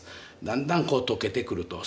だんだんこうとけてくると。